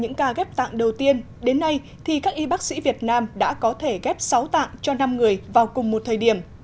những ca ghép tạng đầu tiên đến nay thì các y bác sĩ việt nam đã có thể ghép sáu tạng cho năm người vào cùng một thời điểm